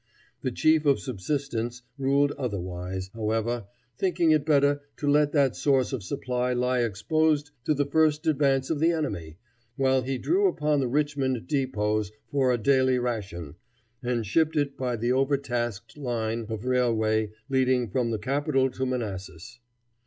The chief of subsistence ruled otherwise, however, thinking it better to let that source of supply lie exposed to the first advance of the enemy, while he drew upon the Richmond dépôts for a daily ration, and shipped it by the overtasked line of railway leading from the capital to Manassas.